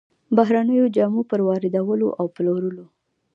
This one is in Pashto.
بهرنيو جامو پر واردولو او پلورلو